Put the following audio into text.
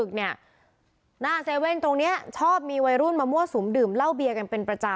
หน้า๗๑๑ตรงนี้ชอบมีวัยรุ่นมามั่วสุมดื่มเหล้าเบียกันเป็นประจำ